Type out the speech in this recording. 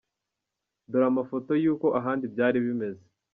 Dore amafoto yuko ahandi byari bimeze:.